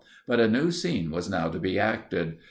But a new scene was now to be acted.